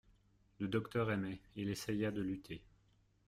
Le docteur aimait, il essaya de lutter.